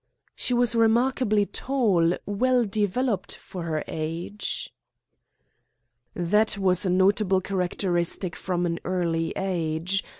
"She was remarkably tall, well developed for her age." "That was a notable characteristic from an early age.